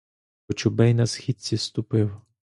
Кочубей на східці ступив.